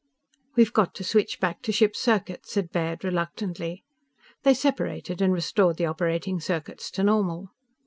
"We've got to switch back to ship's circuit," said Baird reluctantly. They separated, and restored the operating circuits to normal.